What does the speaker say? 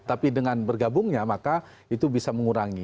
tapi dengan bergabungnya maka itu bisa mengurangi